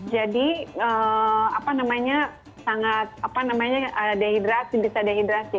jadi apa namanya sangat apa namanya dehidrasi bisa dehidrasi